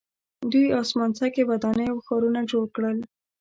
دوی اسمان څکې ودانۍ او ښارونه جوړ کړل.